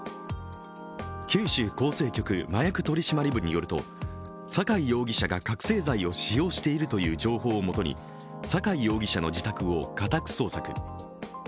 九州厚生局麻薬取締部によると坂井容疑者が覚醒剤を使用しているという情報をもとに坂井容疑者の自宅を家宅捜索。